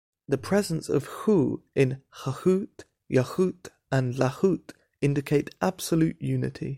The presence of Hoo in HaHoot, YaHoot and LaHoot indicates Absolute Unity.